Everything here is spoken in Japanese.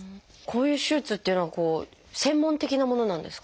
こういう手術っていうのは専門的なものなんですか？